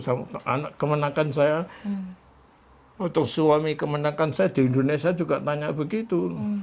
sama anak kemenangan saya atau suami kemenangkan saya di indonesia juga tanya begitu